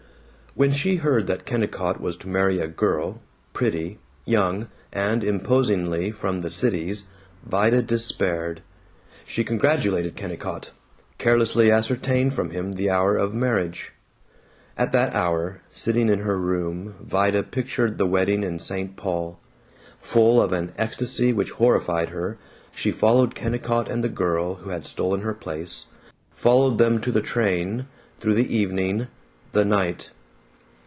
When she heard that Kennicott was to marry a girl, pretty, young, and imposingly from the Cities, Vida despaired. She congratulated Kennicott; carelessly ascertained from him the hour of marriage. At that hour, sitting in her room, Vida pictured the wedding in St. Paul. Full of an ecstasy which horrified her, she followed Kennicott and the girl who had stolen her place, followed them to the train, through the evening, the night.